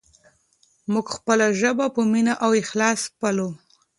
موږ خپله ژبه په مینه او اخلاص پالو.